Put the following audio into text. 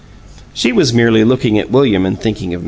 She was merely looking at William and thinking of Mr. Parcher.